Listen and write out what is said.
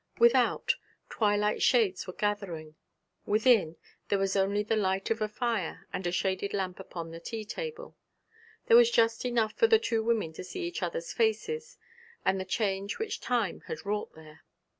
Without, twilight shades were gathering; within, there was only the light of a fire and a shaded lamp upon the tea table; there was just light enough for the two women to see each other's faces, and the change which time had wrought there.